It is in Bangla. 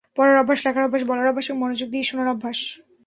পড়ার অভ্যাস, লেখার অভ্যাস, বলার অভ্যাস এবং মনোযোগ দিয়ে শোনার অভ্যাস।